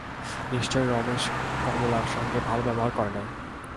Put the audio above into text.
নিশ্চয়ই রমেশ কমলার সঙ্গে ভালো ব্যবহার করে নাই।